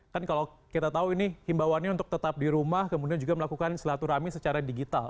kan kalau kita tahu ini himbawannya untuk tetap di rumah kemudian juga melakukan silaturahmi secara digital